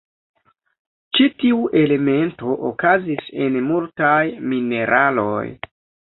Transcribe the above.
Ĉi tiu elemento okazis en multaj mineraloj.